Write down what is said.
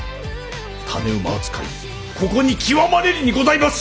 種馬扱いもここに極まれりにございます！